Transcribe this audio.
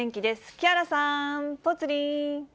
木原さん、ぽつリン。